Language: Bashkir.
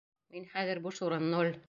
Мин хәҙер буш урын, ноль...